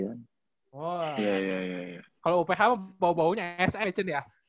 kalau uph bau baunya sm cun ya